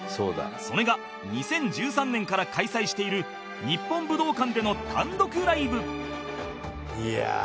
それが２０１３年から開催している日本武道館での単独ライブ